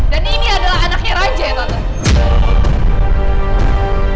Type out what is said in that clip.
dan ini adalah anaknya raja ya tante